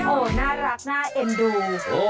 โอ้โหน่ารักน่าเอ็นดู